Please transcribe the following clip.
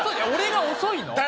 俺が遅いの？